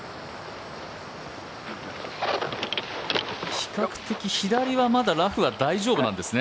比較的左はまだラフは大丈夫なんですね。